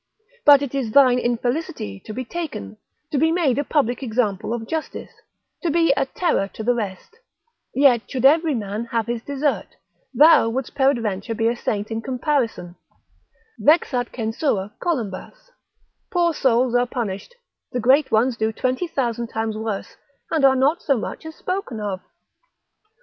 But it is thine infelicity to be taken, to be made a public example of justice, to be a terror to the rest; yet should every man have his desert, thou wouldst peradventure be a saint in comparison; vexat censura columbas, poor souls are punished; the great ones do twenty thousand times worse, and are not so much as spoken of.